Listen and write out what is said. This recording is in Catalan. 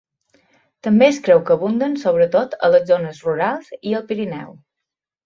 També es creu que abunden sobretot a les zones rurals i al Pirineu.